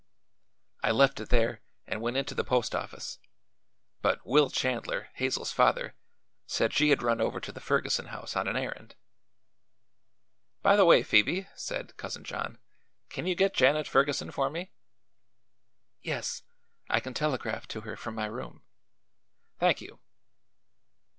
I left it there and went into the post office; but Will Chandler, Hazel's father, said she had run over to the Ferguson house on an errand." "By the way, Phoebe," said Cousin John, "can you get Janet Ferguson for me?" "Yes; I can telegraph to her from my room." "Thank you."